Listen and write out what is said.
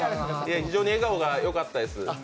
非常に笑顔がよかったです。